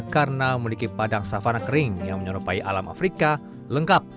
karena memiliki padang savana kering yang menyerupai alam afrika lengkap